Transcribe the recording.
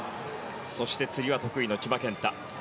そして、つり輪得意の千葉健太。